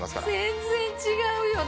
全然違うよね。